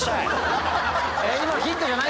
今のヒントじゃない？